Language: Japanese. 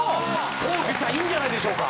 東福寺さんいいんじゃないでしょうか？